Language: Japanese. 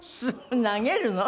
投げるの？